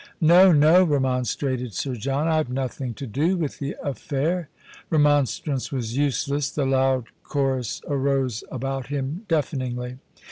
" No, no," remonstrated Sir John ;" I've nothing to do with the affair." Remonstrance was useless — the loud chorus arose about him deafeningly.